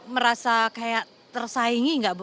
merasa kayak tersaingi nggak bu